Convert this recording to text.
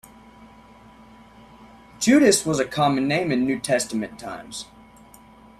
Judas was a common name in New Testament times.